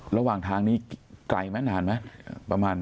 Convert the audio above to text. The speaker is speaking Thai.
ระหว่างทางนี้ไกลไหมนานไหมประมาณ